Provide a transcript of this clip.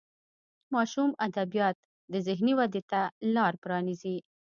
ماشوم ادبیات د ذهني ودې ته لار پرانیزي.